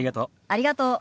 ありがとう。